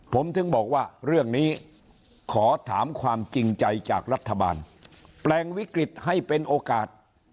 ผมถึงบอกว่าเรื่องนี้ขอถามความจริงใจจากรัฐบาลแปลงวิกฤตให้เป็นโอกาส